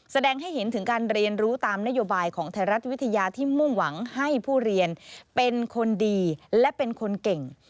แสดงให้เห็นถึงการเรียนรู้ตามนโยบายของไทยรัฐวิทยาที่มุ่งหวังให้ผู้เรียนเป็นคนดีและเป็นคนเก่ง